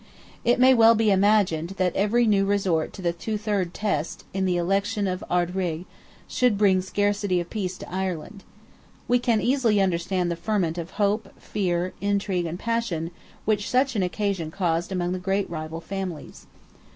It may well be imagined that every new resort to the two third test, in the election of Ard Righ, should bring "scarcity of peace" to Ireland. We can easily understand the ferment of hope, fear, intrigue, and passion, which such an occasion caused among the great rival families.